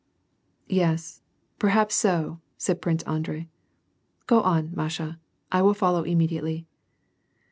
* "Yes, perhaps so," said Prince Andrei. " Go on, Masha, I will follow immediatelv."